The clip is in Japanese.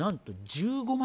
１５万！？